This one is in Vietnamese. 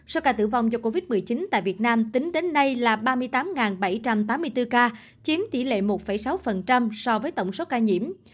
số ca tử vong do covid một mươi chín tại việt nam tính đến nay là ba mươi tám bảy trăm tám mươi bốn ca chiếm tỷ lệ một sáu so với tổng số ca nhiễm